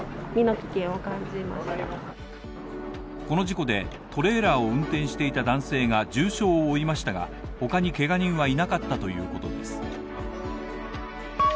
この事故でトレーラーを運転していた男性が重傷を負いましたが他にけが人はいなかったということです。